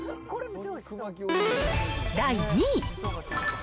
第２位。